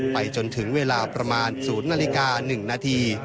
ไปจนถึงเวลาประมาณ๐นาฬิกา๑นาที